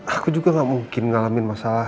aku juga gak mungkin ngalamin masalah